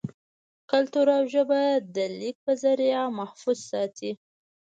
کلتور او ژبه دَليک پۀ زريعه محفوظ ساتي